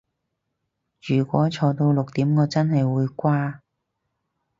如果坐到六點我真係會瓜